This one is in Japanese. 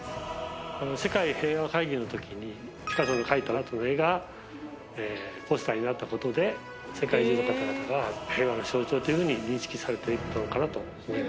世界平和会議のときにピカソの描いたハトの絵がポスターになったことで世界中の方々が平和の象徴というふうに認識されていったのかなと。